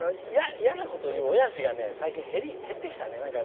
嫌なことを言うおやじが最近、減ってきたね。